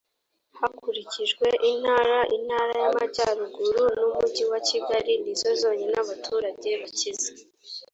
hakurikijwe intara intara y amajyaruguru n umujyi wa kigali nizo zonyine abaturage bakize